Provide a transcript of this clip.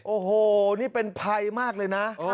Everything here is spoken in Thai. โอ้โหนี่เป็นภัยมากเลยนะ